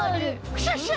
クシャシャ！